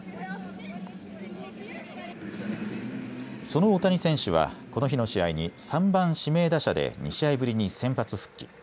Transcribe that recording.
その大谷選手はこの日の試合に３番・指名打者で２試合ぶりに先発復帰。